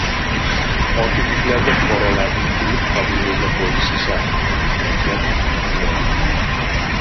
Hokimliklarda fuqarolarning kunlik qabuli yo‘lga qo‘yilishi shart — Shavkat Mirziyoyev